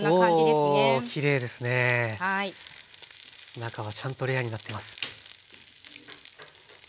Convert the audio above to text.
中はちゃんとレアになってます。